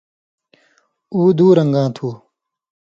اُو دُو رن٘گاں تُھو۔